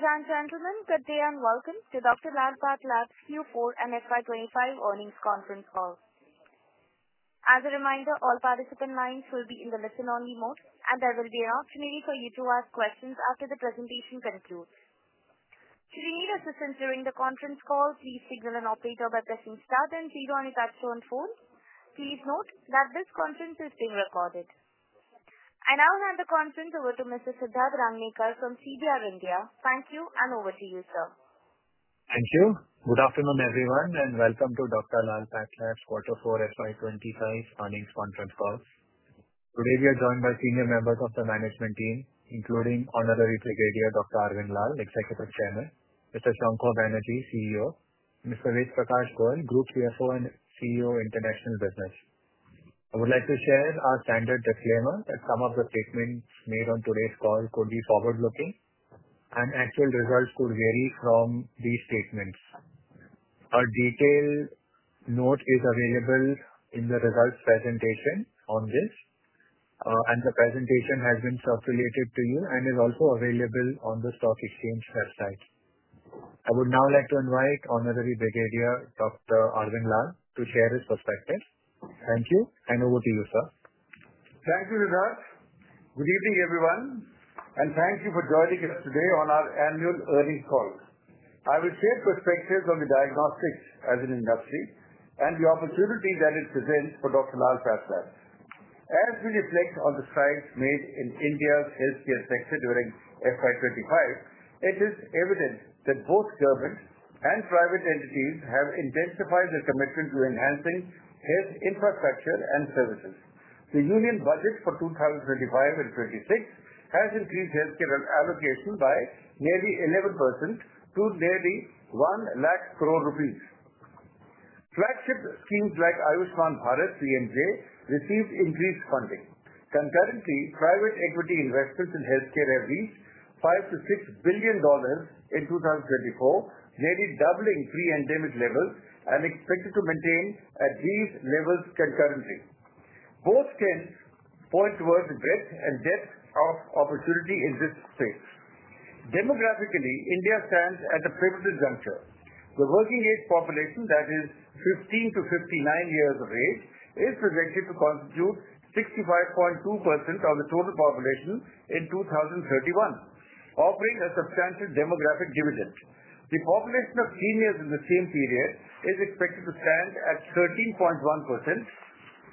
Ladies and gentlemen, good day and welcome to Dr. Lal PathLabs Q4 and FY 2025 Earnings Conference Call. As a reminder, all participant lines will be in the listen-only mode, and there will be an opportunity for you to ask questions after the presentation concludes. Should you need assistance during the conference call, please signal an operator by pressing star then zero on your touch-tone phone. Please note that this conference is being recorded. I now hand the conference over to Mr. Siddharth Rangnekar from CDR India. Thank you, and over to you, sir. Thank you. Good afternoon, everyone, and welcome to Dr. Lal PathLabs quarter four FY 2025 earnings conference call. Today, we are joined by senior members of the management team, including Honorary Brigadier Dr. Arvind Lal, Executive Chairman; Mr. Shankha Banerjee, CEO; Mr. Ved Prakash Goel, Group CFO and CEO, International Business. I would like to share our standard disclaimer that some of the statements made on today's call could be forward-looking, and actual results could vary from these statements. A detailed note is available in the results presentation on this, and the presentation has been circulated to you and is also available on the stock exchange website. I would now like to invite Honorary Brigadier Dr. Arvind Lal to share his perspective. Thank you, and over to you, sir. Thank you, Siddharth. Good evening, everyone, and thank you for joining us today on our annual earnings call. I will share perspectives on the diagnostics as an industry and the opportunity that it presents for Dr. Lal PathLabs. As we reflect on the strides made in India's healthcare sector during FY 2025, it is evident that both government and private entities have intensified their commitment to enhancing health infrastructure and services. The Union Budget for 2025 and 2026 has increased healthcare allocation by nearly 11% to nearly 1 lakh crore rupees. Flagship schemes like Ayushman Bharat PMJAY received increased funding. Concurrently, private equity investments in healthcare have reached $5 billion-$6 billion in 2024, nearly doubling pre-pandemic levels and expected to maintain at these levels concurrently. Both trends point towards the breadth and depth of opportunity in this space. Demographically, India stands at a pivotal juncture. The working-age population that is 15-59 years of age is projected to constitute 65.2% of the total population in 2031, offering a substantial demographic dividend. The population of seniors in the same period is expected to stand at 13.1%.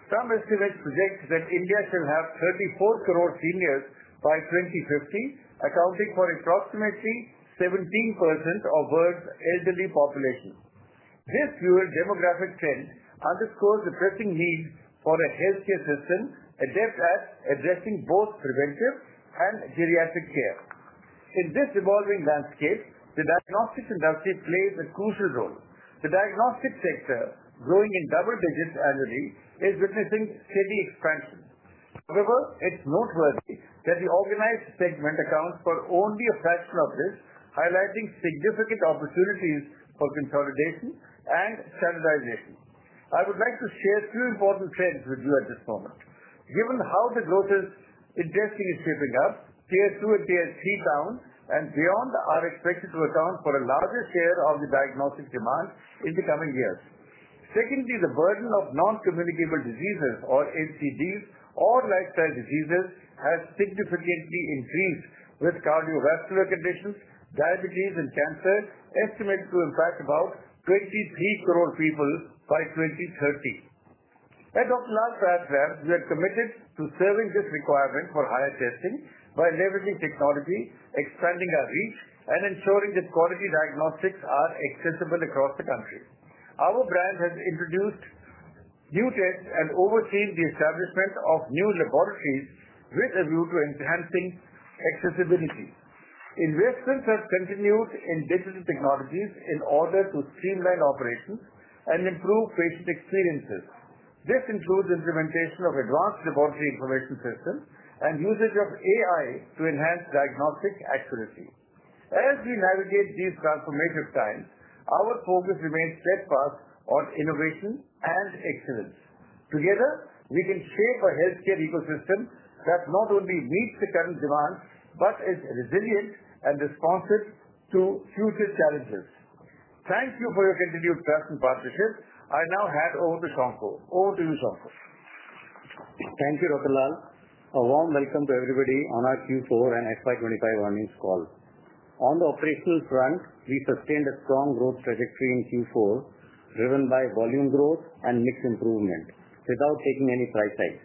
Some estimates project that India shall have 34 crore seniors by 2050, accounting for approximately 17% of the world's elderly population. This dual demographic trend underscores the pressing need for a healthcare system adept at addressing both preventive and geriatric care. In this evolving landscape, the diagnostics industry plays a crucial role. The diagnostics sector, growing in double digits annually, is witnessing steady expansion. However, it's noteworthy that the organized segment accounts for only a fraction of this, highlighting significant opportunities for consolidation and standardization. I would like to share two important trends with you at this moment. Given how the growth in testing shaping up, Tier 2 and Tier 3 towns and beyond are expected to account for a larger share of the diagnostic demand in the coming years. Secondly, the burden of non-communicable diseases, or NCDs, or lifestyle diseases has significantly increased with cardiovascular conditions, diabetes, and cancer estimated to impact about 23 crore people by 2030. At Dr. Lal PathLabs, we are committed to serving this requirement for higher testing by leveraging technology, expanding our reach, and ensuring that quality diagnostics are accessible across the country. Our brand has introduced new tests and overseen the establishment of new laboratories with a view to enhancing accessibility. Investments have continued in digital technologies in order to streamline operations and improve patient experiences. This includes the implementation of advanced laboratory information systems and usage of AI to enhance diagnostic accuracy. As we navigate these transformative times, our focus remains steadfast on innovation and excellence. Together, we can shape a healthcare ecosystem that not only meets the current demands but is resilient and responsive to future challenges. Thank you for your continued trust and partnership. I now hand over to Shankha. Over to you, Shankha. Thank you, Dr. Lal. A warm welcome to everybody on our Q4 and FY 2025 earnings call. On the operational front, we sustained a strong growth trajectory in Q4, driven by volume growth and mix improvement without taking any price hikes.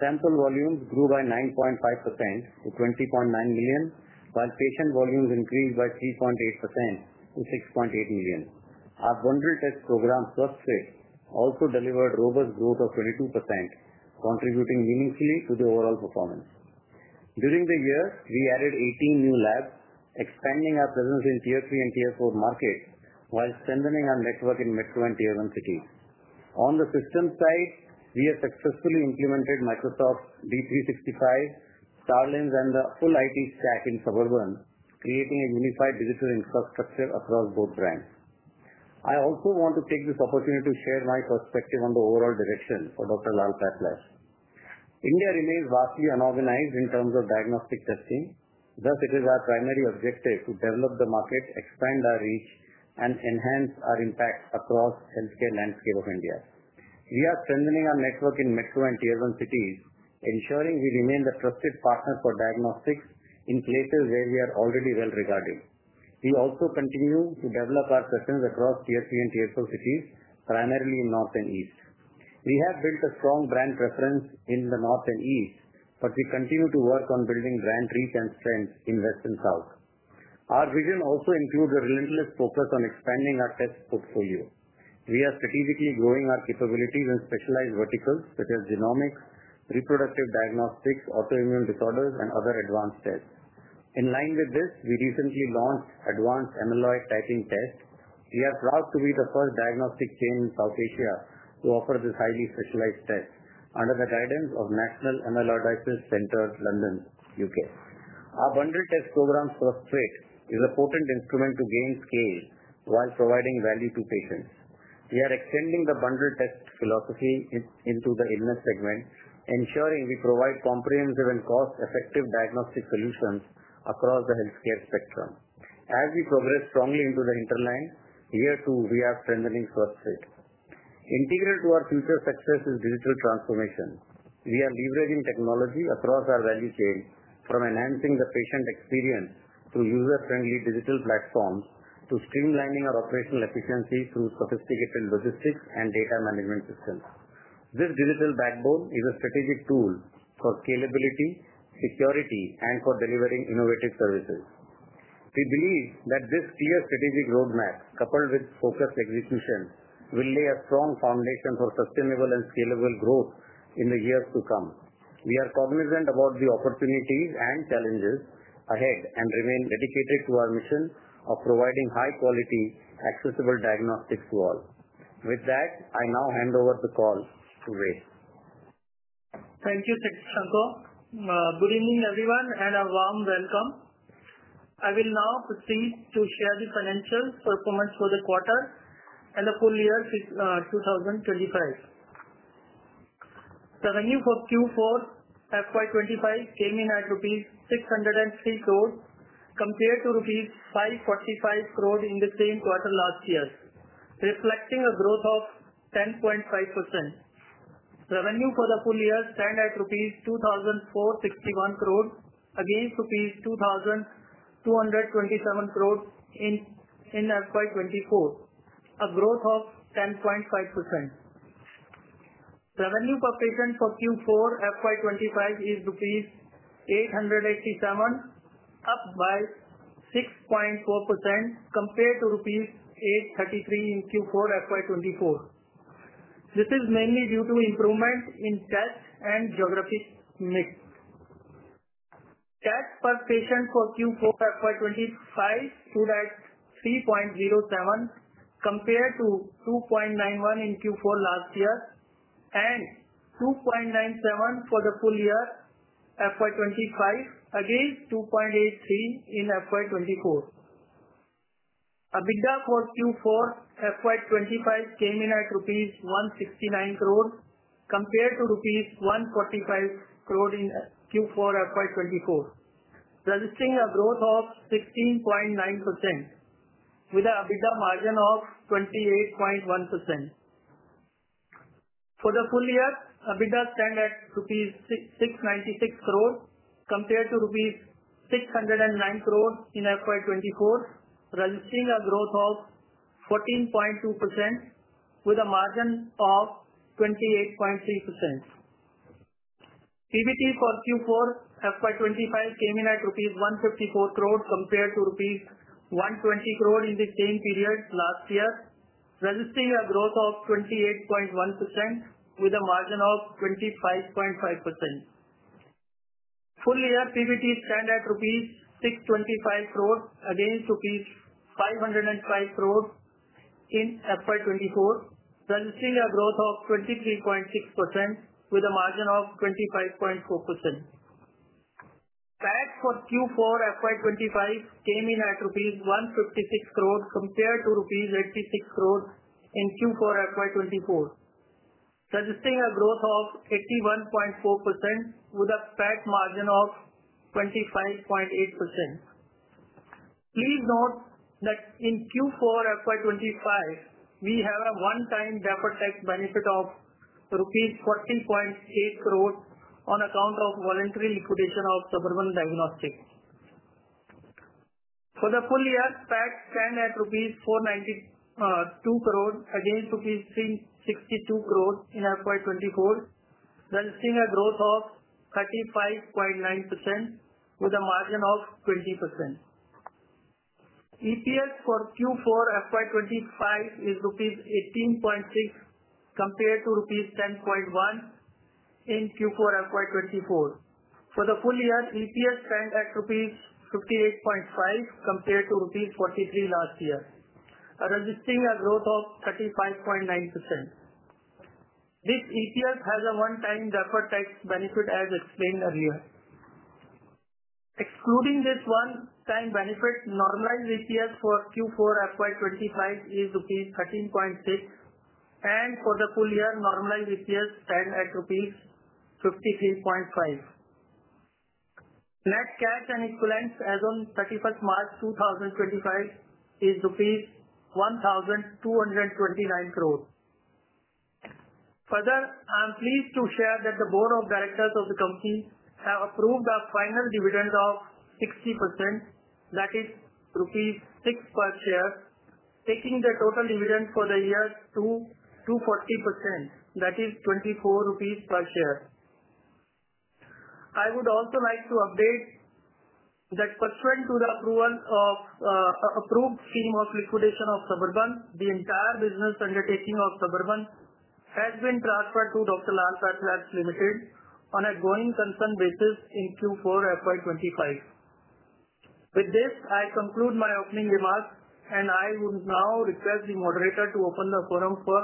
Sample volumes grew by 9.5% to 20.9 million, while patient volumes increased by 3.8% to 6.8 million. Our bundled test program, Swasthfit, also delivered robust growth of 22%, contributing meaningfully to the overall performance. During the year, we added 18 new labs, expanding our presence in Tier 3 and Tier 4 markets while strengthening our network in Metro and Tier 1 cities. On the systems side, we have successfully implemented Microsoft D365, STARLIMS, and the full IT stack in Suburban, creating a unified digital infrastructure across both brands. I also want to take this opportunity to share my perspective on the overall direction for Dr. Lal PathLabs. India remains vastly unorganized in terms of diagnostic testing. Thus, it is our primary objective to develop the market, expand our reach, and enhance our impact across the healthcare landscape of India. We are strengthening our network in Metro and Tier 1 cities, ensuring we remain the trusted partner for diagnostics in places where we are already well regarded. We also continue to develop our systems across Tier 3 and Tier 4 cities, primarily in North and East. We have built a strong brand preference in the North and East, but we continue to work on building brand reach and strength in West and South. Our vision also includes a relentless focus on expanding our test portfolio. We are strategically growing our capabilities in specialized verticals such as genomics, reproductive diagnostics, autoimmune disorders, and other advanced tests. In line with this, we recently launched advanced amyloid typing tests. We are proud to be the first diagnostic chain in South Asia to offer this highly specialized test under the guidance of National Amyloidosis Centre, London, U.K. Our bundled test program, Swasthfit, is a potent instrument to gain scale while providing value to patients. We are extending the bundled test philosophy into the illness segment, ensuring we provide comprehensive and cost-effective diagnostic solutions across the healthcare spectrum. As we progress strongly into the hinterland, year two, we are strengthening Swasthfit. Integral to our future success is digital transformation. We are leveraging technology across our value chain from enhancing the patient experience through user-friendly digital platforms to streamlining our operational efficiency through sophisticated logistics and data management systems. This digital backbone is a strategic tool for scalability, security, and for delivering innovative services. We believe that this clear strategic roadmap, coupled with focused execution, will lay a strong foundation for sustainable and scalable growth in the years to come. We are cognizant about the opportunities and challenges ahead and remain dedicated to our mission of providing high-quality, accessible diagnostics to all. With that, I now hand over the call to Ved. Thank you, Shankha. Good evening, everyone, and a warm welcome. I will now proceed to share the financial performance for the quarter and the full year 2025. Revenue for Q4 FY 2025 came in at INR 603 crore, compared to INR 545 crore in the same quarter last year, reflecting a growth of 10.5%. Revenue for the full year stands at rupees 2,461 crore, against rupees 2,227 crore in FY 2024, a growth of 10.5%. Revenue per patient for Q4 FY 2025 is rupees 887, up by 6.4% compared to rupees 833 in Q4 FY 2024. This is mainly due to improvement in test and geographic mix. Test per patient for Q4 FY 2025 stood at 3.07, compared to 2.91 in Q4 last year and 2.97 for the full year FY 2025, against 2.83 in FY 2024. EBITDA for Q4 FY 2025 came in at rupees 169 crore, compared to rupees 145 crore in Q4 FY 2024, registering a growth of 16.9% with an EBITDA margin of 28.1%. For the full year, EBITDA stands at rupees 696 crore, compared to rupees 609 crore in FY 2024, registering a growth of 14.2% with a margin of 28.3%. PBT for Q4 FY 2024 came in at rupees 154 crore, compared to rupees 120 crore in the same period last year, registering a growth of 28.1% with a margin of 25.5%. Full year PBT stands at INR 625 crore, against INR 505 crore in FY 2024, registering a growth of 23.6% with a margin of 25.4%. PAT for Q4 FY 2024 came in at rupees 156 crore, compared to rupees 86 crore in Q4 FY 2024, registering a growth of 81.4% with a PAT margin of 25.8%. Please note that in Q4 FY 2024, we have a one-time deferred tax benefit of INR 40.8 crore on account of voluntary liquidation of Suburban Diagnostics. For the full year, PAT stands at 492 crore rupees, against 362 crore rupees in FY 2024, registering a growth of 35.9% with a margin of 20%. EPS for Q4 FY 2025 is rupees 18.6, compared to rupees 10.1 in Q4 FY 2024. For the full year, EPS stands at rupees 58.5, compared to rupees 43 last year, registering a growth of 35.9%. This EPS has a one-time deferred tax benefit, as explained earlier. Excluding this one-time benefit, normalized EPS for Q4 FY 2025 is 13.6, and for the full year, normalized EPS stands at rupees 53.5. Net cash and equivalents as of 31 March 2025 is rupees 1,229 crore. Further, I am pleased to share that the Board of Directors of the company have approved a final dividend of 60%, that is rupees 6 per share, taking the total dividend for the year to 240%, that is 24 rupees per share. I would also like to update that pursuant to the approval of the approved scheme of liquidation of Suburban, the entire business undertaking of Suburban has been transferred to Dr. Lal PathLabs Ltd on a going concern basis in Q4 FY 2025. With this, I conclude my opening remarks, and I would now request the moderator to open the forum for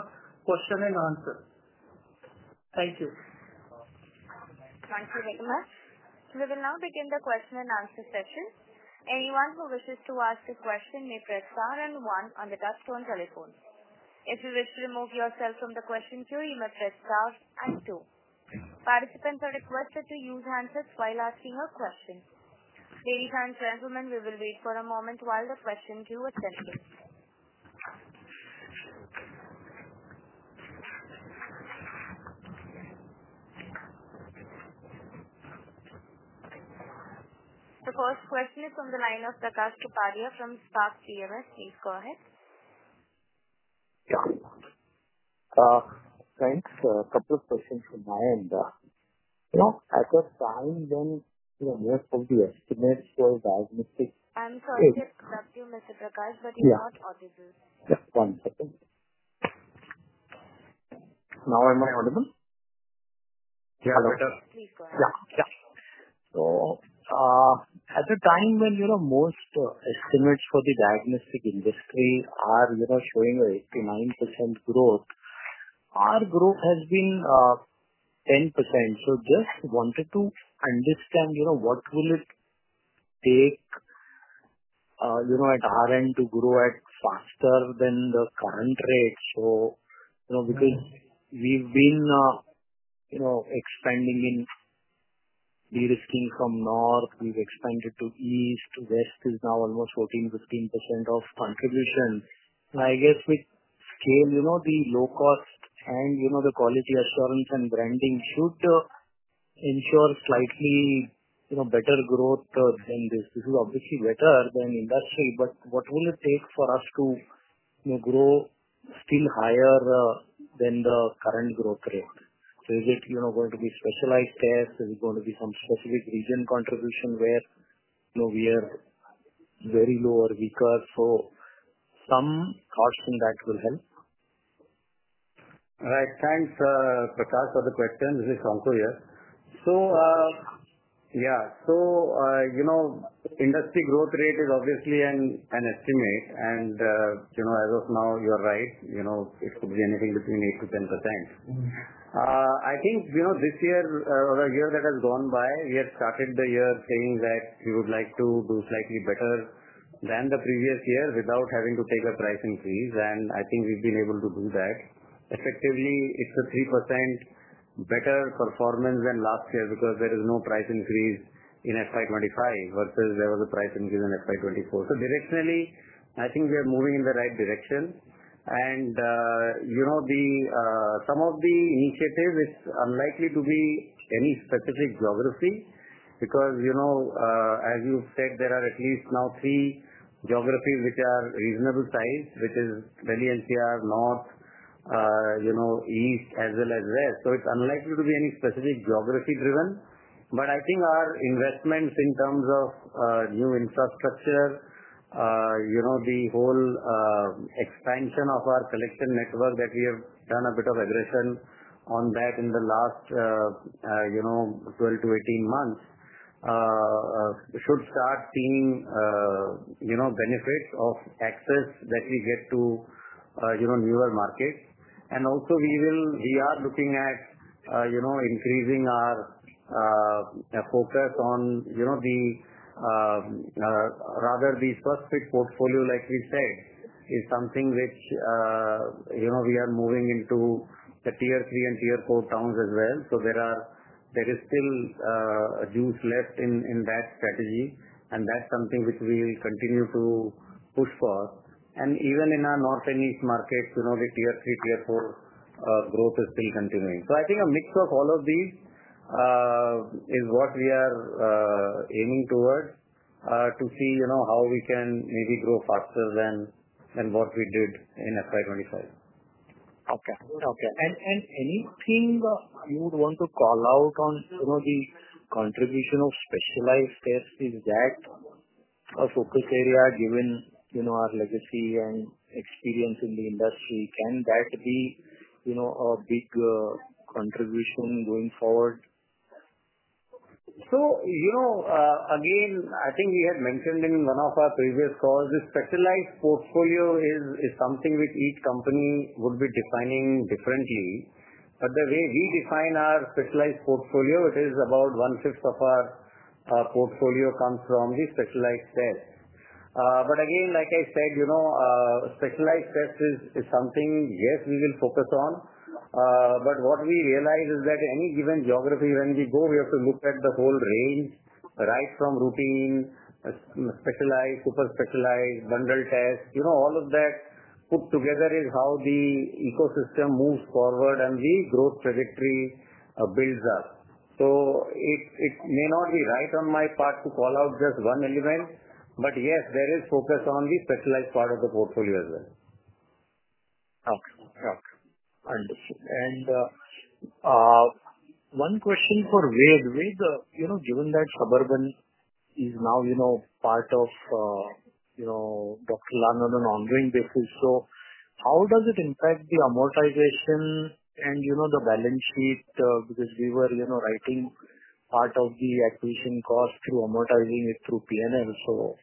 question and answer. Thank you. Thank you very much. We will now begin the question-and-answer session. Anyone who wishes to ask a question may press star and one on the touchstone telephone. If you wish to remove yourself from the question queue, you may press star and two. Participants are requested to use handsets while asking a question. Ladies and gentlemen, we will wait for a moment while the question queue ascends. The first question is from the line of Prakash Kapadia from Spark PMS. Please go ahead. Yeah. Thanks. A couple of questions from my end. At the time, when you have put the estimates for diagnostics. I'm sorry to interrupt you, Mr. Prakash, but you're not audible. Yeah. One second. Now am I audible? Yeah, better. Okay. Please go ahead. Yeah. Yeah. At the time when most estimates for the diagnostic industry are showing an 8%-9% growth, our growth has been 10%. I just wanted to understand what will it take at our end to grow faster than the current rate. Because we've been expanding and de-risking from North, we've expanded to East, West is now almost 14%-15% of contribution. I guess with scale, the low cost and the quality assurance and branding should ensure slightly better growth than this. This is obviously better than industry, but what will it take for us to grow still higher than the current growth rate? Is it going to be specialized tests? Is it going to be some specific region contribution where we are very low or weaker? Some cards on that will help. All right. Thanks, Prakash, for the question. This is Shankha here. Yeah, industry growth rate is obviously an estimate. As of now, you're right. It could be anything between 8%-10%. I think this year or a year that has gone by, we have started the year saying that we would like to do slightly better than the previous year without having to take a price increase. I think we've been able to do that. Effectively, it's a 3% better performance than last year because there is no price increase in FY 2025 versus there was a price increase in FY 2024. Directionally, I think we are moving in the right direction. Some of the initiatives, it's unlikely to be any specific geography because as you've said, there are at least now three geographies which are reasonable size, which is Delhi NCR, North, East, as well as West. It's unlikely to be any specific geography driven. I think our investments in terms of new infrastructure, the whole expansion of our collection network that we have done a bit of aggression on that in the last 12 to 18 months should start seeing benefits of access that we get to newer markets. Also, we are looking at increasing our focus on the rather the Swasthfit portfolio, like we said, is something which we are moving into the Tier 3 and Tier 4 towns as well. There is still juice left in that strategy, and that's something which we will continue to push for. Even in our North and East markets, the Tier 3, Tier 4 growth is still continuing. I think a mix of all of these is what we are aiming towards to see how we can maybe grow faster than what we did in FY 2025. Okay. Okay. Anything you would want to call out on the contribution of specialized tests? Is that a focus area given our legacy and experience in the industry? Can that be a big contribution going forward? I think we had mentioned in one of our previous calls, the specialized portfolio is something which each company would be defining differently. The way we define our specialized portfolio, it is about 1/5 of our portfolio comes from the specialized tests. Like I said, specialized tests is something, yes, we will focus on. What we realize is that any given geography, when we go, we have to look at the whole range, right from routine, specialized, super specialized, bundled tests. All of that put together is how the ecosystem moves forward and the growth trajectory builds up. It may not be right on my part to call out just one element, but yes, there is focus on the specialized part of the portfolio as well. Okay. Okay. Understood. One question for Ved. Given that Suburban is now part of Dr. Lal on an ongoing basis, how does it impact the amortization and the balance sheet? Because we were writing part of the acquisition cost through amortizing it through P&L.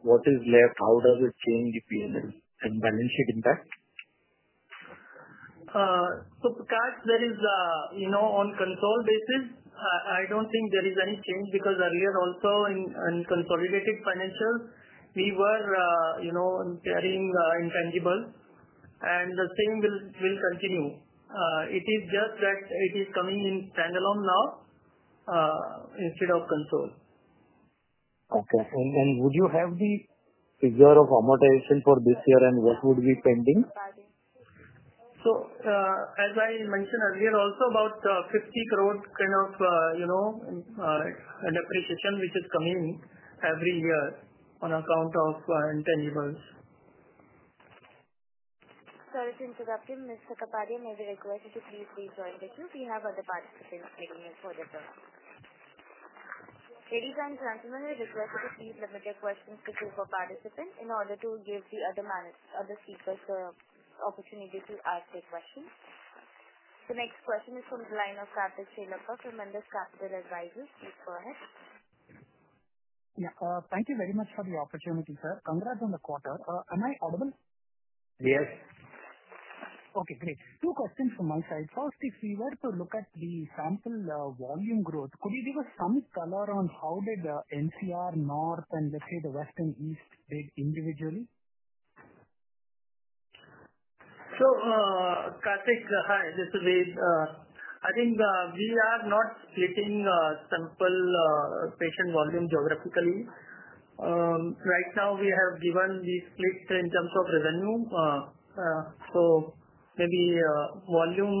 What is left? How does it change the P&L and balance sheet impact? Prakash, there is on consolidated basis, I don't think there is any change because earlier also in consolidated financials, we were carrying intangibles, and the same will continue. It is just that it is coming in standalone now instead of consolidated. Okay. Would you have the figure of amortization for this year and what would be pending? As I mentioned earlier, also about 50 crore kind of an appreciation which is coming every year on account of intangibles. Sorry to interrupt you. Mr. Kapadia may we request to please rejoin the queue as we do have other participants waiting in for the door. Ladies and gentlemen, we request you to please limit your questions to two per participant in order to give the other speakers the opportunity to ask their questions. The next question is from the line of Karthik Chellappa from Indus Capital Advisors. Please go ahead. Yeah. Thank you very much for the opportunity, sir. Congrats on the quarter. Am I audible? Yes. Okay. Great. Two questions from my side. First, if we were to look at the sample volume growth, could you give us some color on how did NCR North and, let's say, the West and East bid individually? Karthik, hi. This is Ved. I think we are not splitting sample patient volume geographically. Right now, we have given the split in terms of revenue. Maybe volume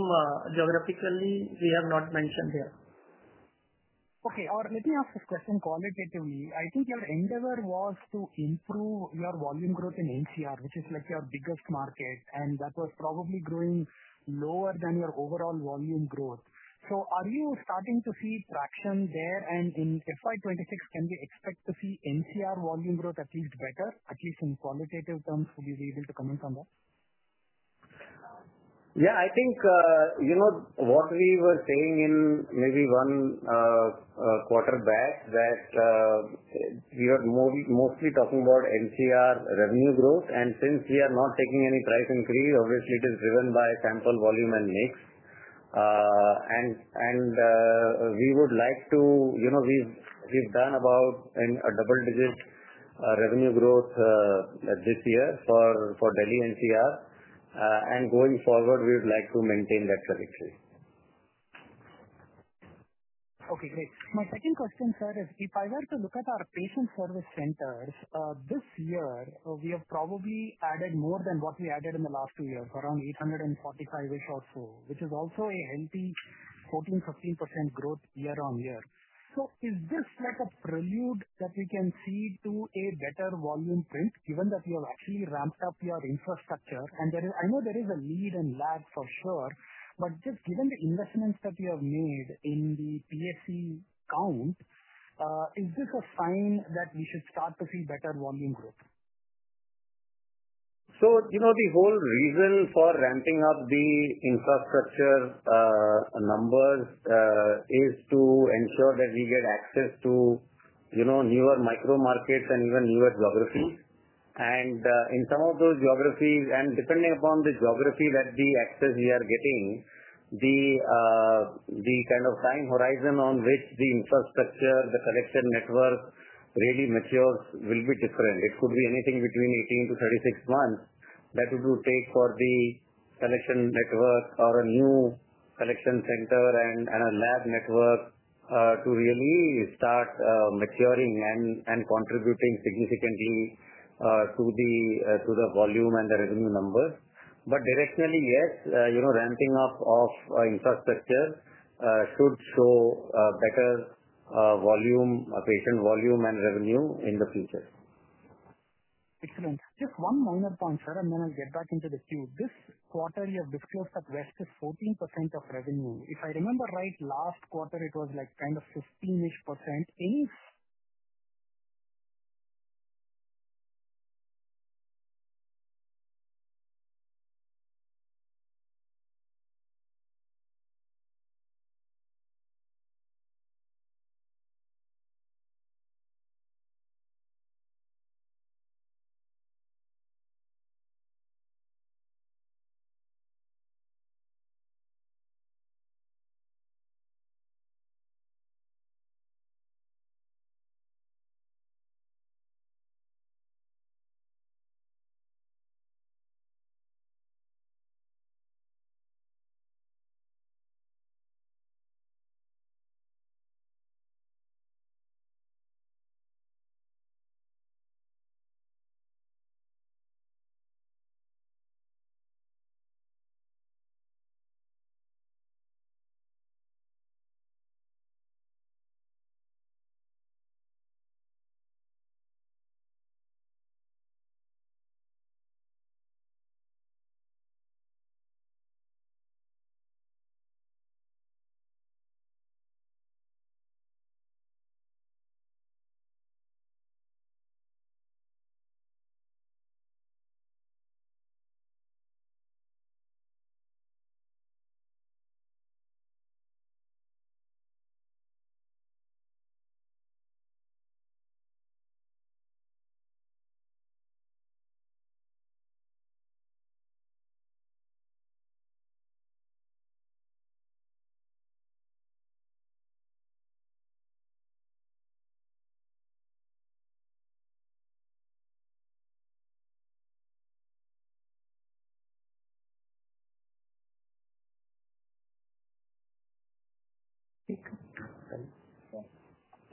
geographically, we have not mentioned here. Okay. Let me ask this question qualitatively. I think your endeavor was to improve your volume growth in NCR, which is your biggest market, and that was probably growing lower than your overall volume growth. Are you starting to see traction there? In FY 2026, can we expect to see NCR volume growth at least better, at least in qualitative terms? Would you be able to comment on that? Yeah. I think what we were saying in maybe one quarter back that we are mostly talking about NCR revenue growth. Since we are not taking any price increase, obviously, it is driven by sample volume and mix. We would like to we've done about a double-digit revenue growth this year for Delhi NCR. Going forward, we would like to maintain that trajectory. Okay. Great. My second question, sir, is if I were to look at our patient service centers, this year, we have probably added more than what we added in the last two years, around 845-ish or so, which is also a healthy 14%-15% growth year on year. Is this a prelude that we can see to a better volume print, given that you have actually ramped up your infrastructure? I know there is a lead and lag for sure, but just given the investments that you have made in the PSC count, is this a sign that we should start to see better volume growth? The whole reason for ramping up the infrastructure numbers is to ensure that we get access to newer micro markets and even newer geographies. In some of those geographies, and depending upon the geography that the access we are getting, the kind of time horizon on which the infrastructure, the collection network really matures will be different. It could be anything between 18-36 months that it will take for the collection network or a new collection center and a lab network to really start maturing and contributing significantly to the volume and the revenue numbers. Directionally, yes, ramping up of infrastructure should show better volume, patient volume, and revenue in the future. Excellent. Just one moment then, sir, and then I'll get back into the queue. This quarter, you have disclosed that West is 14% of revenue. If I remember right, last quarter, it was kind of 15%-ish percent. Any?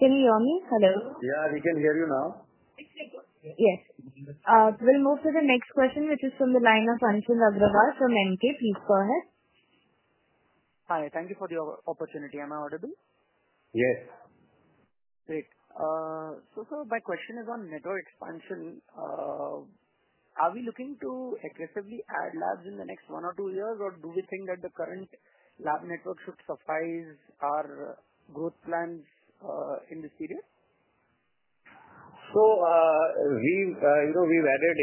Can you hear me? Hello? Yeah. We can hear you now. Excellent. Yes. We'll move to the next question, which is from the line of Anshul Agrawal from Emkay. Please go ahead. Hi. Thank you for the opportunity. Am I audible? Yes. Great. My question is on network expansion. Are we looking to aggressively add labs in the next one or two years, or do we think that the current lab network should suffice our growth plans in this period? We have added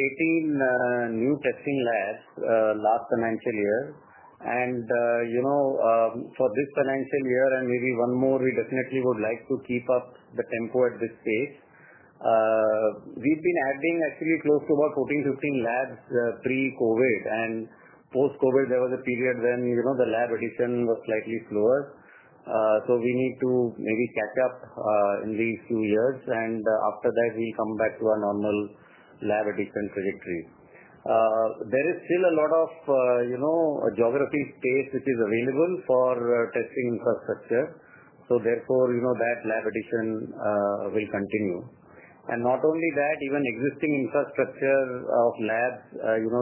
18 new testing labs last financial year. For this financial year and maybe one more, we definitely would like to keep up the tempo at this stage. We have been adding actually close to about 14-15 labs pre-COVID. Post-COVID, there was a period when the lab addition was slightly slower. We need to maybe catch up in these few years. After that, we will come back to our normal lab addition trajectory. There is still a lot of geography space which is available for testing infrastructure. Therefore, that lab addition will continue. Not only that, even existing infrastructure of labs,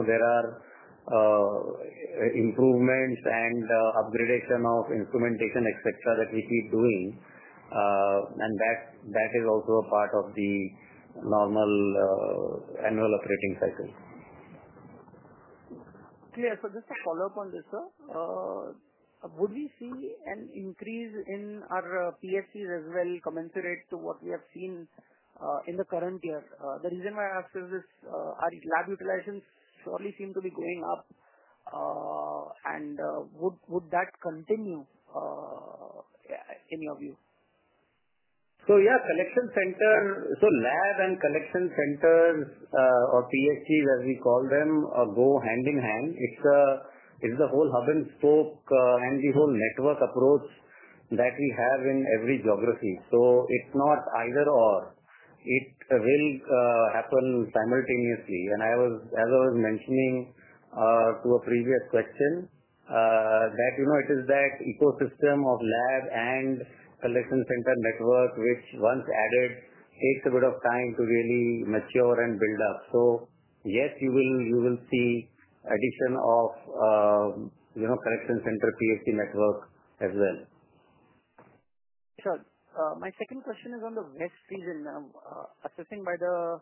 there are improvements and upgradation of instrumentation, etc., that we keep doing. That is also a part of the normal annual operating cycle. Clear. Just to follow up on this, sir, would we see an increase in our PSCs as well commensurate to what we have seen in the current year? The reason why I asked you is this: our lab utilization surely seemed to be going up. Would that continue in your view? Collection center, so lab and collection centers or PSCs, as we call them, go hand in hand. It's the whole hub and spoke and the whole network approach that we have in every geography. It's not either/or. It will happen simultaneously. As I was mentioning to a previous question, it is that ecosystem of lab and collection center network which, once added, takes a bit of time to really mature and build up. Yes, you will see addition of collection center PSC network as well. Sir, my second question is on the West region. Assessing by the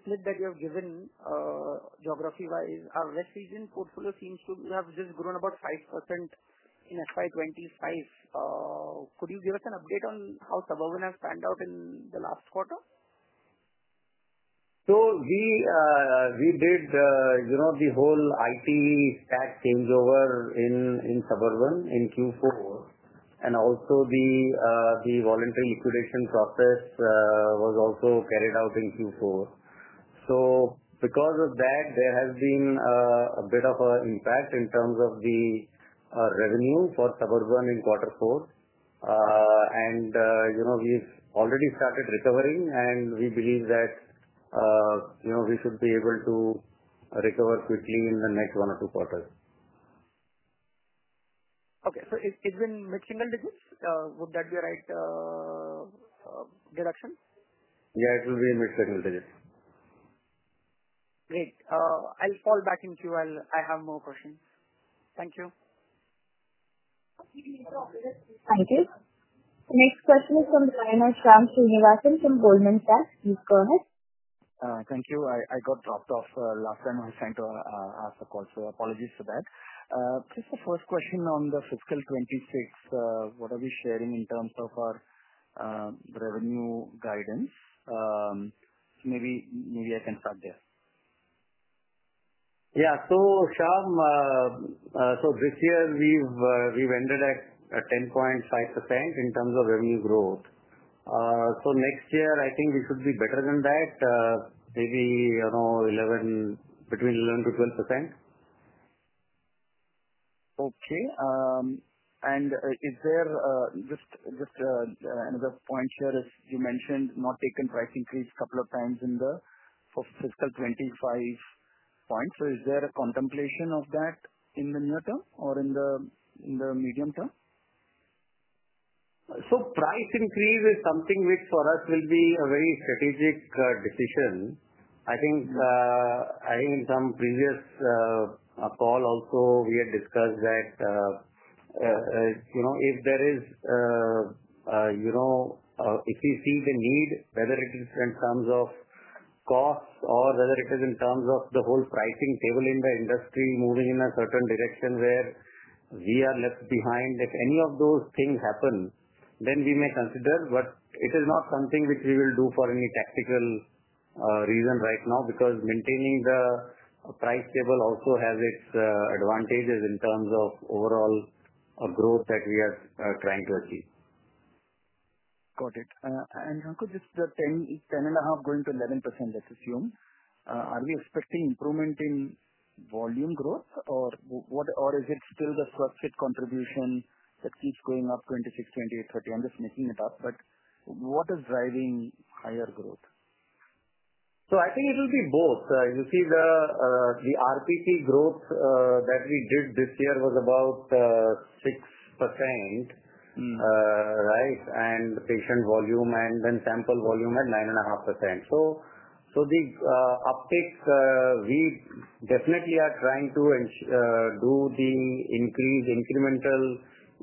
split that you have given geography-wise, our West region portfolio seems to have just grown about 5% in FY 2025. Could you give us an update on how Suburban has panned out in the last quarter? We did the whole IT stack changeover in Suburban in Q4. Also, the voluntary liquidation process was carried out in Q4. Because of that, there has been a bit of an impact in terms of the revenue for Suburban in Q4. We've already started recovering, and we believe that we should be able to recover quickly in the next one or two quarters. Okay. So it's been mid-single digits? Would that be a right deduction? Yeah. It will be mid-single digits. Great. I'll fall back in queue while I have more questions. Thank you. Thank you. The next question is from the line of Shyam Srinivasan from Goldman Sachs. Please go ahead. Thank you. I got dropped off last time when Shankha asked the call, so apologies for that. Just the first question on the fiscal 2026, what are we sharing in terms of our revenue guidance? Maybe I can start there. Yeah. Shyam, this year, we've ended at 10.5% in terms of revenue growth. Next year, I think we should be better than that, maybe between 11%-12%. Okay. Is there just another point here, as you mentioned, not taken price increase a couple of times in the fiscal 2025 point? Is there a contemplation of that in the near term or in the medium term? Price increase is something which, for us, will be a very strategic decision. I think in some previous call, also, we had discussed that if there is, if we see the need, whether it is in terms of cost or whether it is in terms of the whole pricing table in the industry moving in a certain direction where we are left behind, if any of those things happen, then we may consider. It is not something which we will do for any tactical reason right now because maintaining the price table also has its advantages in terms of overall growth that we are trying to achieve. Got it. Shankha, just the 10.5% going to 11%, let's assume, are we expecting improvement in volume growth, or is it still the Swasthfit contribution that keeps going up 26%, 28%, 30%? I'm just making it up. What is driving higher growth? I think it will be both. You see, the RPP growth that we did this year was about 6%, right, and patient volume and then sample volume at 9.5%. The uptake, we definitely are trying to do the increase incremental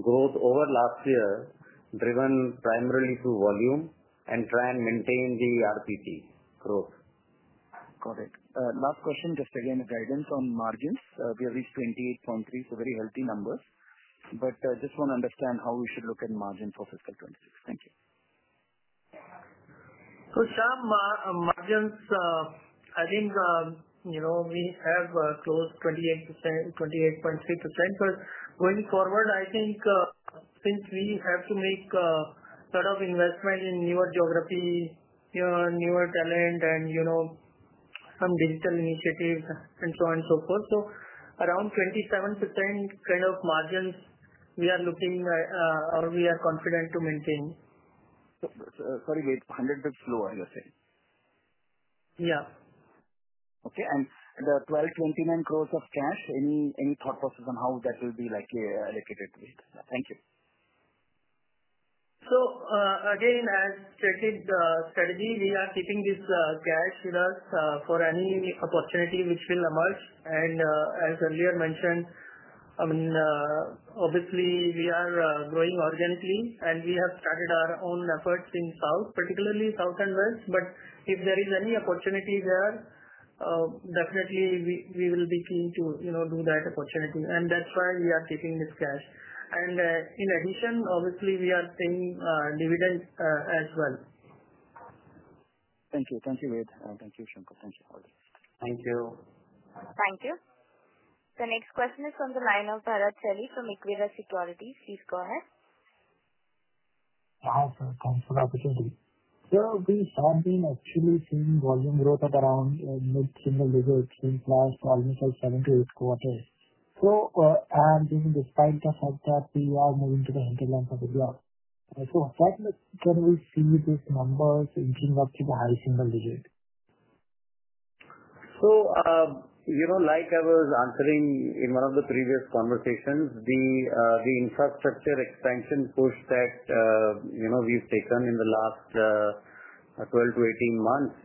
growth over last year, driven primarily through volume, and try and maintain the RPP growth. Got it. Last question, just again, guidance on margins. We have reached 28.3%, so very healthy numbers. Just want to understand how we should look at margin for fiscal 2026. Thank you. Shyam, margins, I think we have close 28.3%. Going forward, I think since we have to make a sort of investment in newer geography, newer talent, and some digital initiatives, and so on and so forth, around 27% kind of margins we are looking or we are confident to maintain. Sorry, wait. 100 basis points lower, you're saying? Yeah. Okay. The 1,229 crore of cash, any thought process on how that will be allocated? Thank you. As stated, strategy, we are keeping this cash with us for any opportunity which will emerge. As earlier mentioned, I mean, obviously, we are growing organically, and we have started our own efforts in South, particularly South and West. If there is any opportunity there, definitely, we will be keen to do that opportunity. That is why we are keeping this cash. In addition, obviously, we are paying dividend as well. Thank you. Thank you, Ved. Thank you, Shankha. Thank you. Thank you. Thank you. The next question is from the line of Bharath Celly from Equirus Securities. Please go ahead. Thanks for the opportunity. We have been actually seeing volume growth at around mid-single digits since the last almost seven to eight quarters. Even despite the fact that we are moving to the hinterlands of India, when will we see these numbers inching up to the high single digit? Like I was answering in one of the previous conversations, the infrastructure expansion push that we've taken in the last 12 to 18 months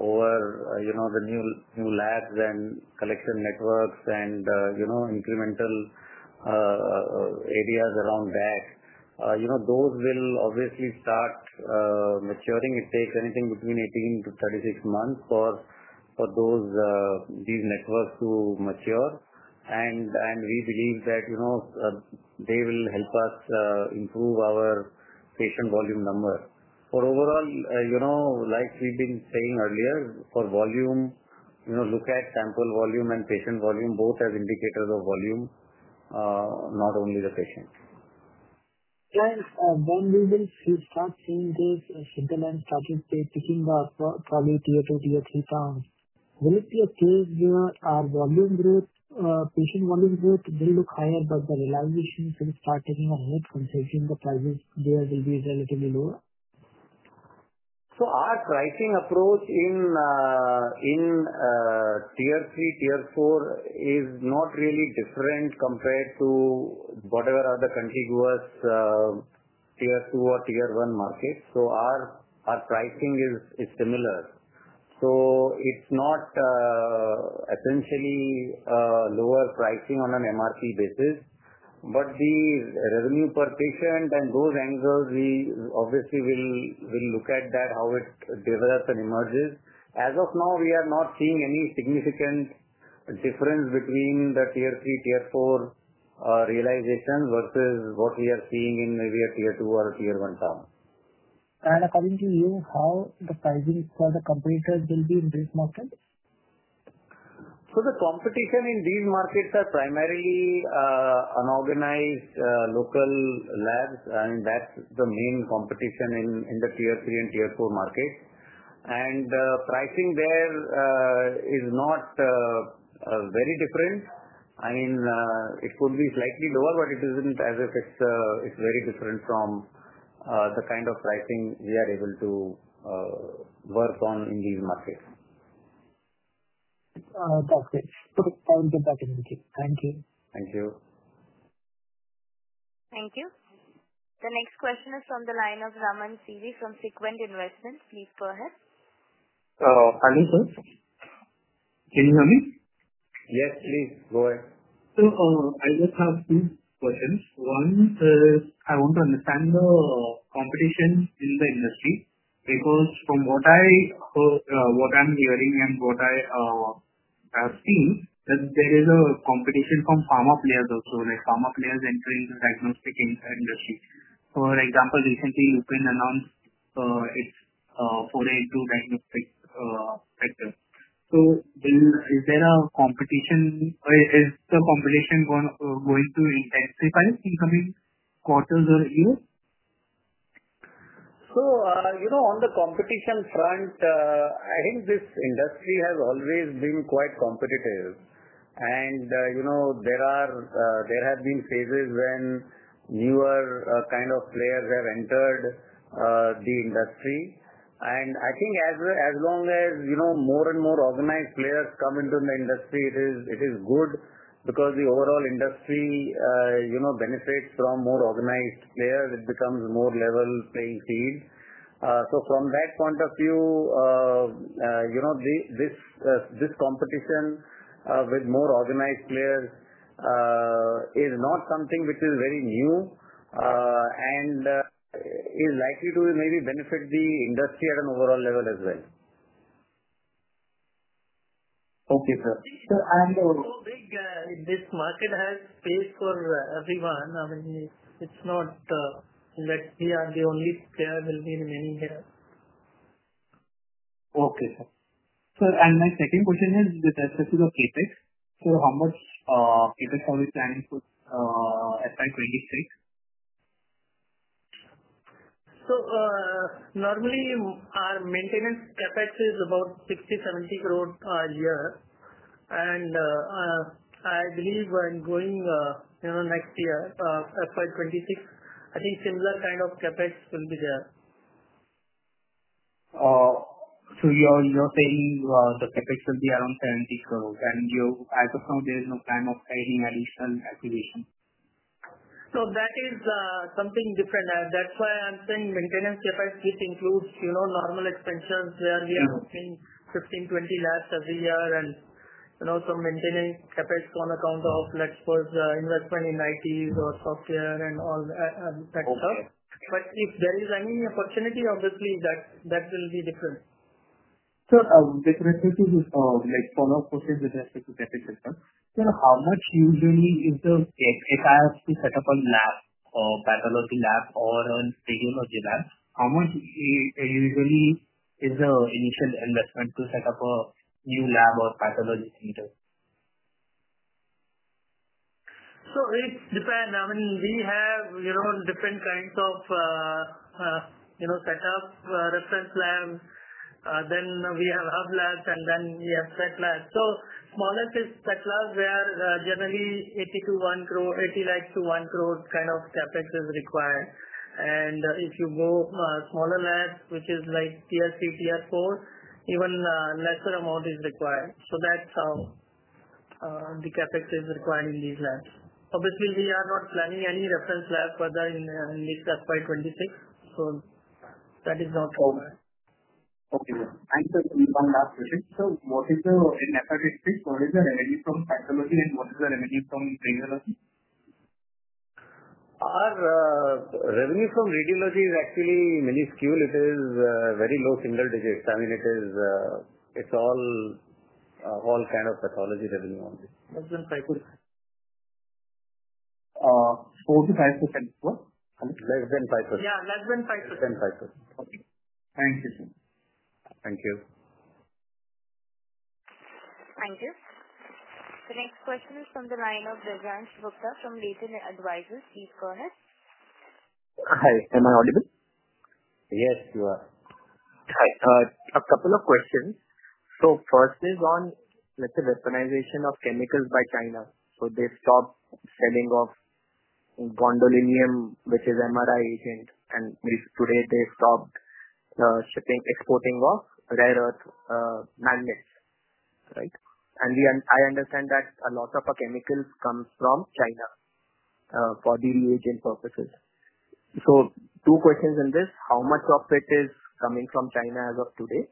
over the new labs and collection networks and incremental areas around that, those will obviously start maturing. It takes anything between 18 to 36 months for these networks to mature. We believe that they will help us improve our patient volume number. Overall, like we've been saying earlier, for volume, look at sample volume and patient volume both as indicators of volume, not only the patient. When we will start seeing those hinterland starting to be picking up, probably Tier 2, Tier 3 towns, will it be a case where our volume growth, patient volume growth will look higher, but the realization will start taking a hit considering the prices there will be relatively lower? Our pricing approach in Tier 3, Tier 4 is not really different compared to whatever other country gives us Tier 2 or Tier 1 market. Our pricing is similar. It is not essentially lower pricing on an MRP basis. The revenue per patient and those angles, we obviously will look at that, how it develops and emerges. As of now, we are not seeing any significant difference between the Tier 3, Tier 4 realization versus what we are seeing in maybe a Tier 2 or a Tier 1 town. According to you, how the pricing for the competitors will be in these markets? The competition in these markets are primarily unorganized local labs. I mean, that's the main competition in the Tier 3 and Tier 4 market. Pricing there is not very different. I mean, it could be slightly lower, but it isn't as if it's very different from the kind of pricing we are able to work on in these markets. That's great. Okay. I will get back in the queue. Thank you. Thank you. Thank you. The next question is from the line of Raman Sivi from Sequent Investments. Please go ahead. Hi, am I audible, can you hear me? Yes, please. Go ahead. I just have two questions. One is I want to understand the competition in the industry because from what I'm hearing and what I have seen, there is competition from pharma players also, like pharma players entering the diagnostic industry. For example, recently, Lupin announced its foray into the diagnostic sector. Is the competition going to intensify in coming quarters or years? On the competition front, I think this industry has always been quite competitive. There have been phases when newer kind of players have entered the industry. I think as long as more and more organized players come into the industry, it is good because the overall industry benefits from more organized players. It becomes a more level playing field. From that point of view, this competition with more organized players is not something which is very new and is likely to maybe benefit the industry at an overall level as well. Okay, sir. I think this market has space for everyone. I mean, it's not that we are the only player; there will be many here. Okay, sir. My second question is with respect to the CapEx. How much CapEx are we planning for FY 2026? Normally, our maintenance CapEx is about 60 crore- 70 crore a year. I believe when going next year, FY 2026, I think similar kind of CapEx will be there. You're saying the CapEx will be around 70 crore, and as of now, there is no plan of adding additional acquisition? That is something different. That's why I'm saying maintenance CapEx includes normal expenses where we are opening 15-20 labs every year and some maintenance CapEx on account of, let's suppose, investment in IT or software and all that stuff. If there is any opportunity, obviously, that will be different. With respect to follow-up questions with respect to CapEx and stuff, how much usually is the, if I have to set up a lab, pathology lab, or a radiology lab, how much usually is the initial investment to set up a new lab or pathology center? It depends. I mean, we have different kinds of setup, reference labs. Then we have hub labs, and then we have set labs. Smallest is set labs generally require 80 lakhs-1 crore kind of CapEx is required. If you go to smaller labs, which is like Tier 3, Tier 4, even lesser amount is required. That is how the CapEx is required in these labs. Obviously, we are not planning any reference lab further in this FY 2026, so that is not required. Okay. Thank you. One last question. What is the in FY 2026, what is the revenue from pathology, and what is the revenue from radiology? Our revenue from radiology is actually minuscule. It is very low single digits. I mean, it's all kind of pathology revenue only. Less than 5%. 4%-5%? Less than 5%. Yeah, less than 5%. Less than 5%. Thank you. Thank you. Thank you. The next question is from the line of Divyansh Gupta from Latent Advisors. Please go ahead. Hi. Am I audible? Yes, you are. Hi. A couple of questions. First is on, let's say, weaponization of chemicals by China. They stopped selling off Gadolinium, which is an MRI agent. Today, they stopped exporting of rare earth magnets, right? I understand that a lot of chemicals come from China for the reagent purposes. Two questions in this. How much of it is coming from China as of today?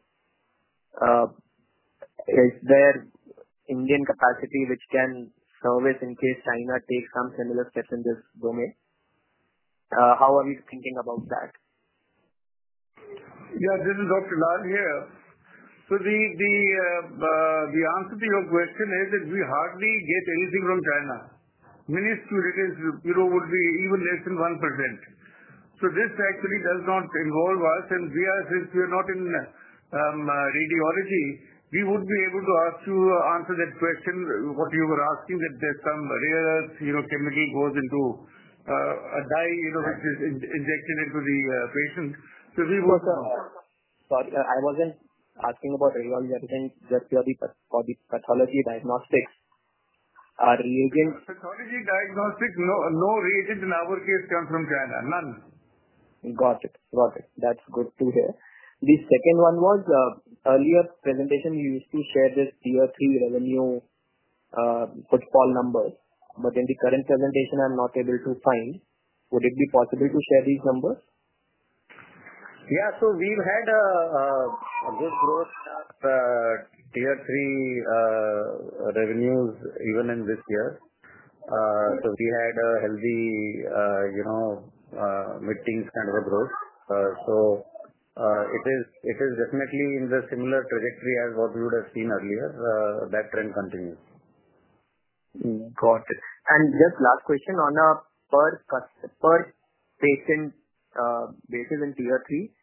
Is there Indian capacity which can service in case China takes some similar steps in this domain? How are you thinking about that? Yeah, this is Dr. Lal here. The answer to your question is that we hardly get anything from China. Minuscule it is. It would be even less than 1%. This actually does not involve us. Since we are not in radiology, we wouldn't be able to ask you to answer that question, what you were asking, that there's some rare earth chemical goes into a dye which is injected into the patient. We wouldn't know that. Sorry. I wasn't asking about radiology. I was saying just for the pathology diagnostics, our reagents? Pathology diagnostics, no reagents in our case come from China. None. Got it. Got it. That's good to hear. The second one was earlier presentation, you used to share this Tier 3 revenue football numbers. But in the current presentation, I'm not able to find. Would it be possible to share these numbers? Yeah. We have had good growth Tier 3 revenues even in this year. We had a healthy mid-teen kind of a growth. It is definitely in the similar trajectory as what we would have seen earlier. That trend continues. Got it. Just last question, on a per patient basis in Tier 3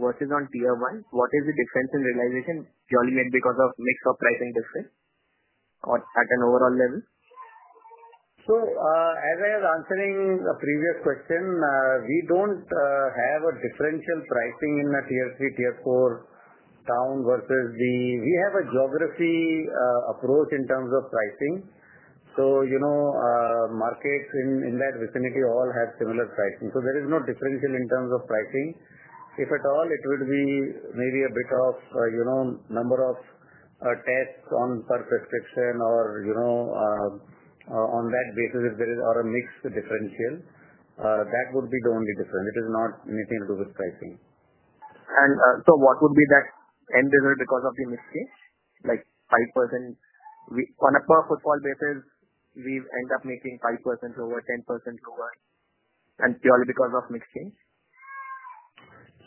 versus in Tier 1, what is the difference in realization? Surely maybe because of mix or pricing difference or at an overall level? As I was answering the previous question, we don't have a differential pricing in a Tier 3, Tier 4 town versus the we have a geography approach in terms of pricing. Markets in that vicinity all have similar pricing. There is no differential in terms of pricing. If at all, it would be maybe a bit of number of tests on per prescription or on that basis if there is a mixed differential. That would be the only difference. It is not anything to do with pricing. What would be that end result because of the mix change? Like 5% on a per footfall basis, we end up making 5% lower, 10% lower, and purely because of mix change?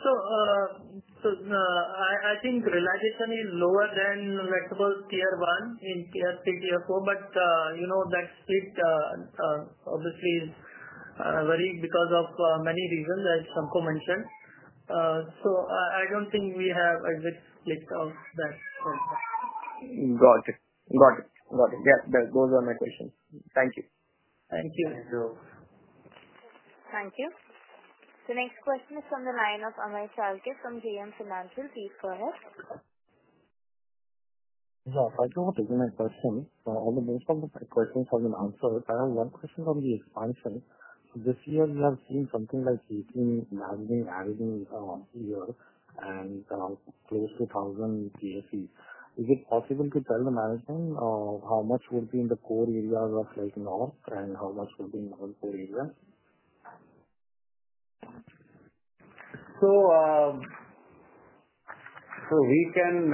I think realization is lower than, let's suppose, Tier 1 in Tier 3, Tier 4. That split obviously is very because of many reasons that Shankha mentioned. I don't think we have a good split of that. Got it. Got it. Got it. Yes, those were my questions. Thank you. Thank you. Thank you. Thank you. The next question is from the line of Amey Chalke from JM Financial. Please go ahead. Yeah. Thank you for taking my question. Almost most of my questions have been answered. I have one question on the expansion. This year, we have seen something like 18 managing adding a year and close to 1,000 PSC. Is it possible to tell the management how much would be in the core areas of like North and how much would be in other core areas? We can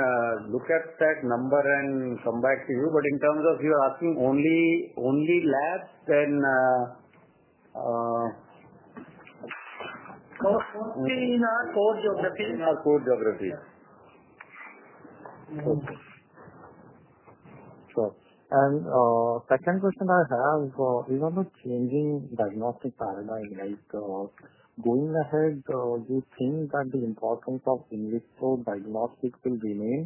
look at that number and come back to you. In terms of you asking only labs, then. Mostly in our core geography. In our core geography. Okay. Sure. Second question I have, even with changing diagnostic paradigm, going ahead, do you think that the importance of in vitro diagnostics will remain,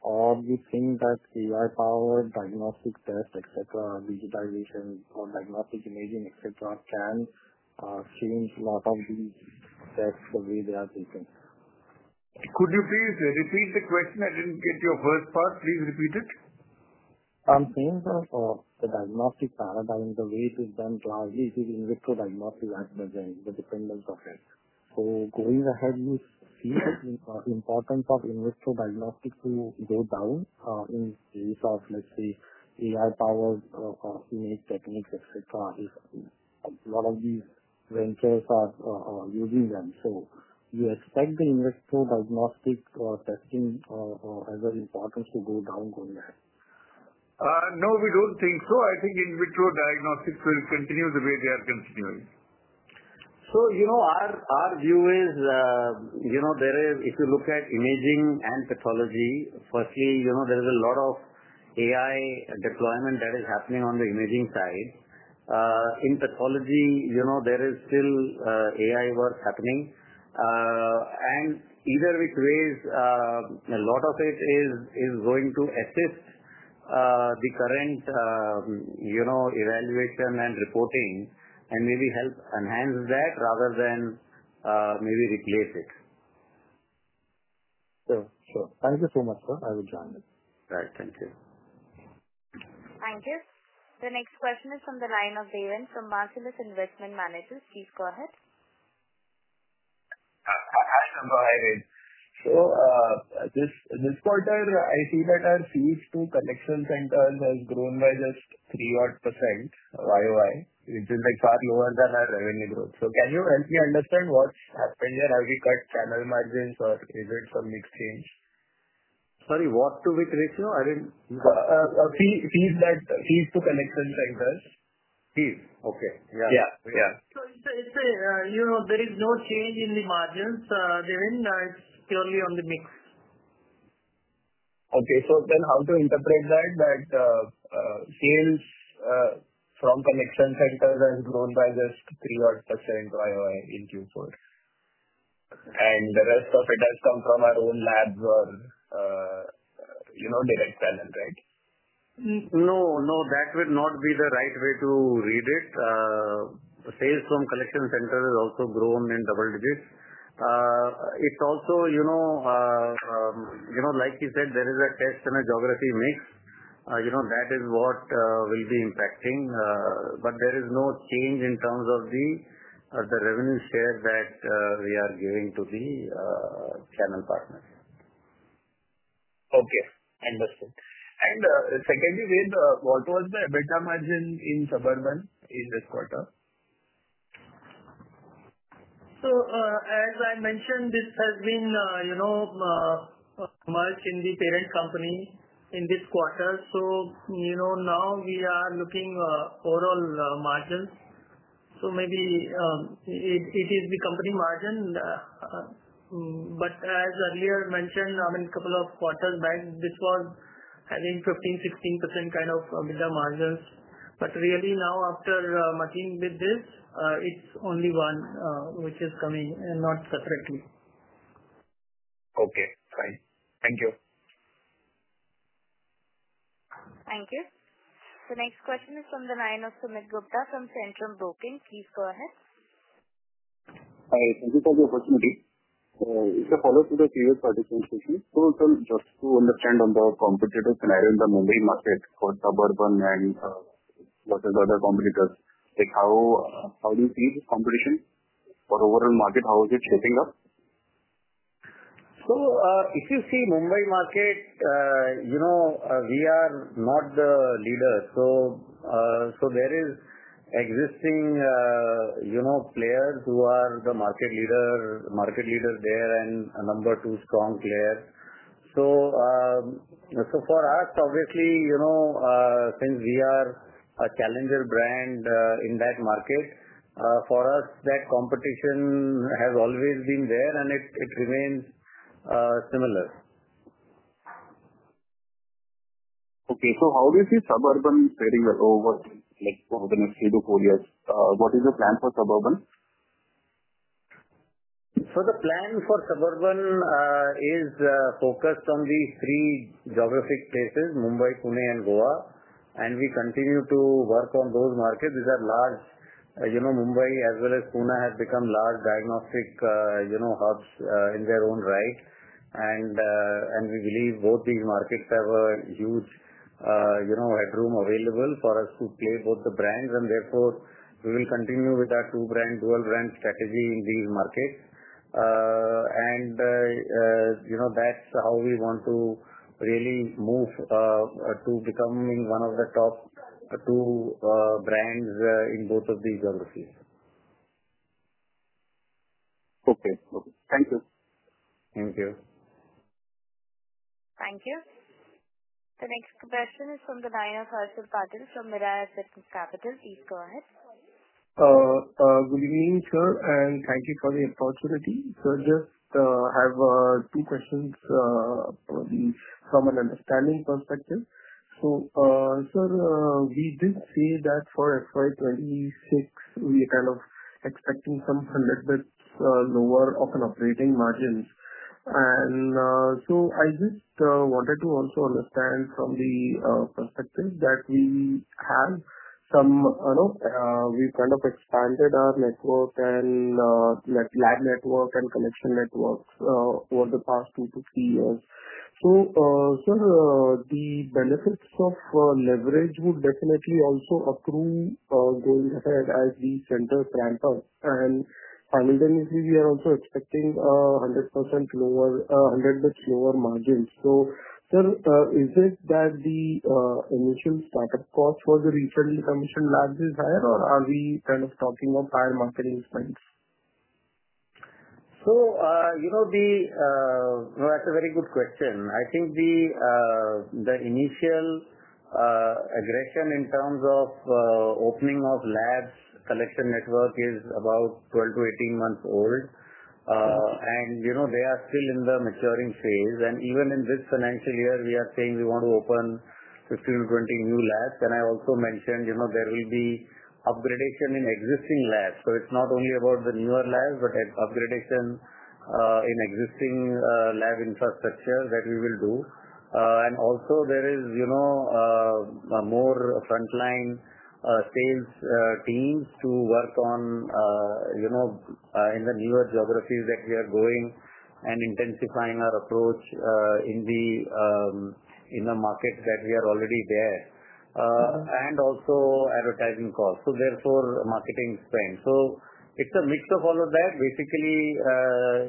or do you think that AI-powered, diagnostic tests, digitization, or diagnostic imaging can change a lot of these tests the way they are taken? Could you please repeat the question? I didn't get your first part. Please repeat it. I'm saying that the diagnostic paradigm, the way it is done largely is in vitro diagnostics at present, the dependence of it. Going ahead, do you see the importance of in-vitro diagnostics to go down in case of, let's say, AI-powered, image techniques, etc.? A lot of these ventures are using them. Do you expect the in vitro diagnostic testing as an importance to go down going ahead? No, we don't think so. I think in vitro diagnostics will continue the way they are continuing. Our view is there is if you look at imaging and pathology, firstly, there is a lot of AI deployment that is happening on the imaging side. In pathology, there is still AI work happening. Either which ways, a lot of it is going to assist the current evaluation and reporting and maybe help enhance that rather than maybe replace it. Sure. Sure. Thank you so much, sir. I will join it. Right. Thank you. Thank you. The next question is from the line of Deven Kulkarni from Marcellus Investment Managers. Please go ahead. Hi, Shankha. Hi, Ved. This quarter, I see that our fees to collection centers has grown by just 3% YoY, which is far lower than our revenue growth. Can you help me understand what's happened here? Have we cut channel margins, or is it some mix change? Sorry, what to which ratio? I didn't. Fees to collection centers. Fees. Okay. Yeah. Yeah. Yeah. There is no change in the margins, Deven. It's purely on the mix. Okay. So then how to interpret that? That sales from collection centers has grown by just 3% YoY in Q4. And the rest of it has come from our own labs or direct channel, right? No. No, that would not be the right way to read it. Sales from collection centers has also grown in double digits. It's also, like you said, there is a test and a geography mix. That is what will be impacting. There is no change in terms of the revenue share that we are giving to the channel partners. Okay. Understood. Secondly, Ved, what was the EBITDA margin in Suburban in this quarter? As I mentioned, this has been merged in the parent company in this quarter. Now we are looking at overall margins. Maybe it is the company margin. As earlier mentioned, I mean, a couple of quarters back, this was, I think, 15%-16% kind of EBITDA margins. Really now, after merging with this, it's only one which is coming and not separately. Okay. Fine. Thank you. Thank you. The next question is from the line of Sumit Gupta from Centrum Broking. Please go ahead. Hi. Thank you for the opportunity. If you follow through the previous participant questions, just to understand on the competitive scenario in the Mumbai market for Suburban and versus other competitors, how do you see this competition for overall market? How is it shaping up? If you see Mumbai market, we are not the leader. There are existing players who are the market leader there and a number two strong player. For us, obviously, since we are a challenger brand in that market, for us, that competition has always been there, and it remains similar. Okay. How do you see Suburban pairing over the next three to four years? What is the plan for Suburban? The plan for Suburban is focused on the three geographic places: Mumbai, Pune, and Goa. We continue to work on those markets. These are large. Mumbai as well as Pune have become large diagnostic hubs in their own right. We believe both these markets have a huge headroom available for us to play both the brands. Therefore, we will continue with our two-brand, dual-brand strategy in these markets. That is how we want to really move to becoming one of the top two brands in both of these geographies. Okay. Okay. Thank you. Thank you. Thank you. The next question is from the line of Harshal Patil from Mirae Asset Capital. Please go ahead. Good evening, sir. Thank you for the opportunity. I just have two questions from an understanding perspective. Sir, we did see that for FY 2026, we are kind of expecting some 100 basis points lower of an operating margin. I just wanted to also understand from the perspective that we have expanded our network and lab network and collection networks over the past two to three years. Sir, the benefits of leverage would definitely also accrue going ahead as we centers ramp up. Simultaneously, we are also expecting 100 basis points lower margins. Sir, is it that the initial startup cost for the recently commissioned labs is higher, or are we kind of talking of higher marketing expense? That's a very good question. I think the initial aggression in terms of opening of labs collection network is about 12 to 18 months old. They are still in the maturing phase. Even in this financial year, we are saying we want to open 15-20 new labs. I also mentioned there will be upgradation in existing labs. It's not only about the newer labs, but upgradation in existing lab infrastructure that we will do. Also, there is more frontline sales teams to work on in the newer geographies that we are going and intensifying our approach in the market that we are already there. Also advertising costs. Therefore, marketing spend. It's a mix of all of that. Basically,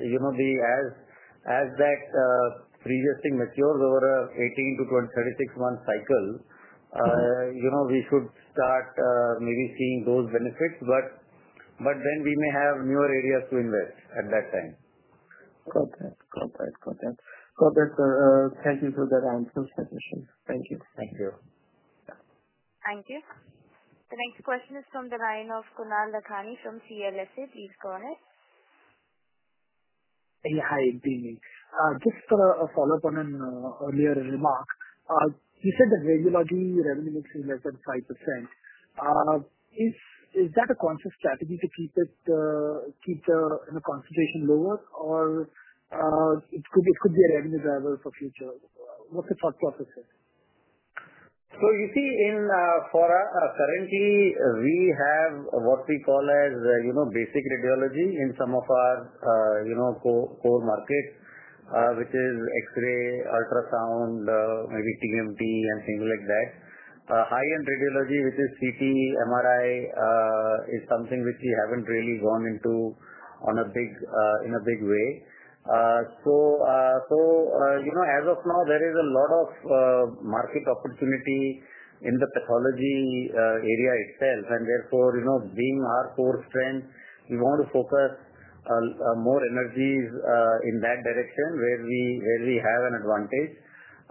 as that previous thing matures over a 18-36 month cycle, we should start maybe seeing those benefits. We may have newer areas to invest at that time. Got it. Got it. Got it. Got it, sir. Thank you for that answer, Shankha. Thank you. Thank you. Thank you. The next question is from the line of Kunal Lakhani from CLSA. Please go ahead. Hey, hi. Good evening. Just to follow up on an earlier remark, you said that regularly revenue mix is less than 5%. Is that a conscious strategy to keep the concentration lower, or it could be a revenue driver for future? What's the thought process here? You see, for us, currently, we have what we call as basic radiology in some of our core markets, which is X-ray, ultrasound, maybe TMT, and things like that. High-end radiology, which is CT, MRI, is something which we haven't really gone into in a big way. As of now, there is a lot of market opportunity in the pathology area itself. Therefore, being our core strength, we want to focus more energies in that direction where we have an advantage.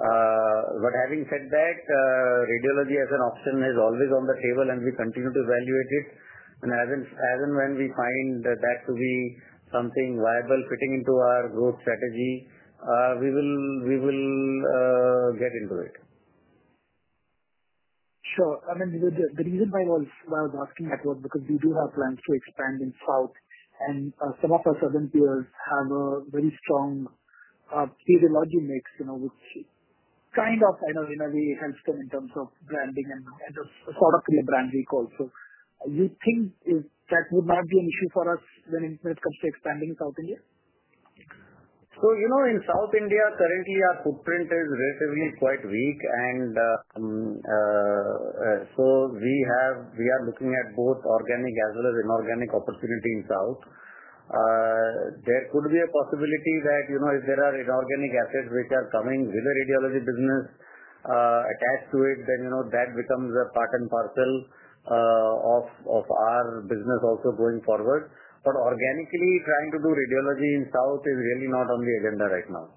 Having said that, radiology as an option is always on the table, and we continue to evaluate it. As and when we find that to be something viable fitting into our growth strategy, we will get into it. Sure. I mean, the reason why I was asking that was because we do have plans to expand in South. And some of our Southern peers have a very strong radiology mix, which kind of in a way helps them in terms of branding and sort of a brand recall. Do you think that would not be an issue for us when it comes to expanding South India? In South India, currently, our footprint is relatively quite weak. We are looking at both organic as well as inorganic opportunity in South. There could be a possibility that if there are inorganic assets which are coming with the radiology business attached to it, then that becomes a part and parcel of our business also going forward. Organically trying to do radiology in South is really not on the agenda right now.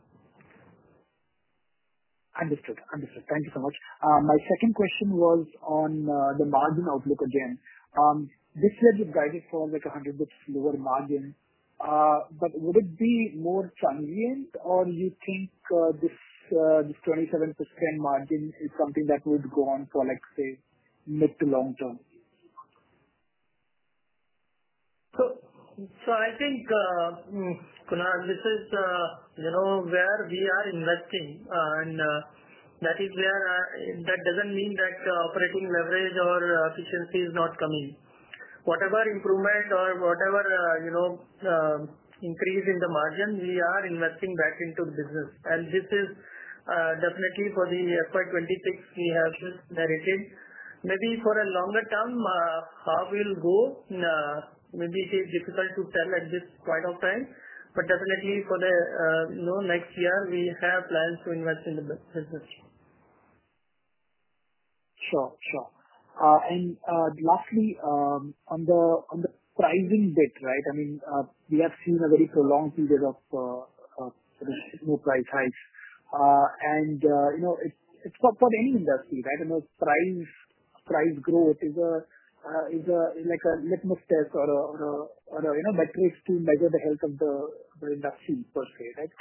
Understood. Understood. Thank you so much. My second question was on the margin outlook again. This year you guided for like 100 basis points lower margin. Would it be more transient, or do you think this 27% margin is something that would go on for, say, mid to long term? I think, Kunal, this is where we are investing. That does not mean that operating leverage or efficiency is not coming. Whatever improvement or whatever increase in the margin, we are investing that into the business. This is definitely for the FY 2026 we have narrated. Maybe for a longer term, how we will go, maybe it is difficult to tell at this point of time. Definitely for the next year, we have plans to invest in the business. Sure. Sure. Lastly, on the pricing bit, right? I mean, we have seen a very prolonged period of low price hikes. It's for any industry, right? I mean, price growth is like a litmus test or a metric to measure the health of the industry per se, right?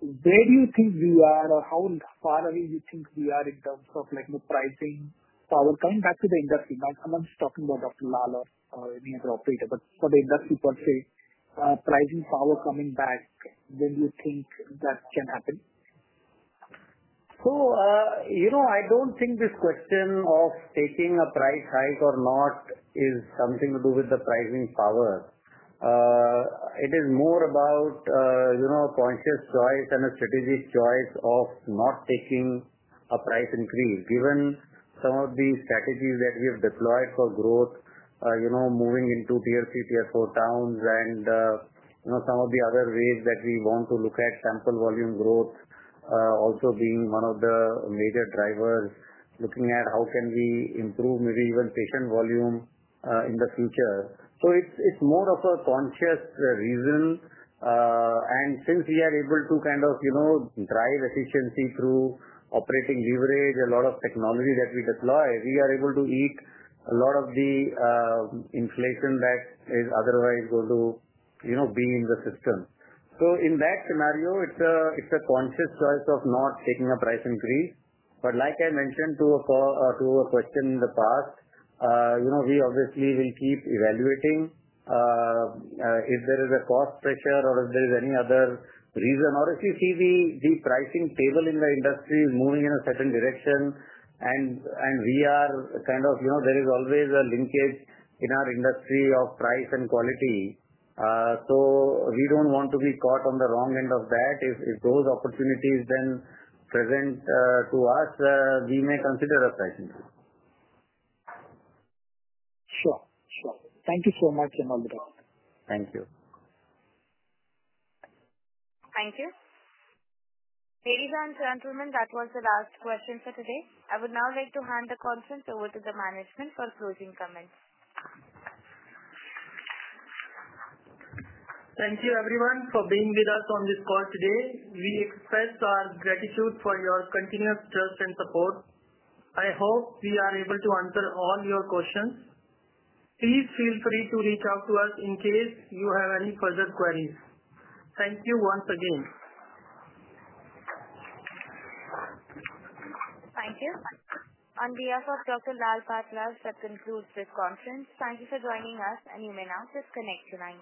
Where do you think we are or how far away do you think we are in terms of pricing power? Coming back to the industry, now I'm not just talking about Dr. Lal PathLabs or any other operator. For the industry per se, pricing power coming back, when do you think that can happen? I don't think this question of taking a price hike or not is something to do with the pricing power. It is more about a conscious choice and a strategic choice of not taking a price increase. Given some of the strategies that we have deployed for growth, moving into Tier 3, Tier 4 towns, and some of the other ways that we want to look at sample volume growth also being one of the major drivers, looking at how can we improve maybe even patient volume in the future. It is more of a conscious reason. Since we are able to kind of drive efficiency through operating leverage, a lot of technology that we deploy, we are able to eat a lot of the inflation that is otherwise going to be in the system. In that scenario, it's a conscious choice of not taking a price increase. Like I mentioned to a question in the past, we obviously will keep evaluating if there is a cost pressure or if there is any other reason. Obviously, see the pricing table in the industry moving in a certain direction. We are kind of, there is always a linkage in our industry of price and quality. We do not want to be caught on the wrong end of that. If those opportunities then present to us, we may consider a price increase. Sure. Sure. Thank you so much. Thank you. Thank you. Ladies and gentlemen, that was the last question for today. I would now like to hand the conference over to the management for closing comments. Thank you, everyone, for being with us on this call today. We express our gratitude for your continuous trust and support. I hope we are able to answer all your questions. Please feel free to reach out to us in case you have any further queries. Thank you once again. Thank you. On behalf of Dr. Lal PathLabs, that concludes this conference. Thank you for joining us, and you may now disconnect tonight.